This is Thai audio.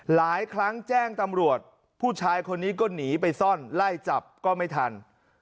หลายครั้งแจ้งตำรวจผู้ชายคนนี้ก็หนีไปซ่อนไล่จับก็ไม่ทัน